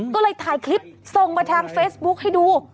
ก็เลยถ่ายคลิปส่งมาทางเฟซบุ๊คให้ดู